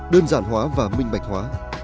đơn giản hóa và minh mạnh hóa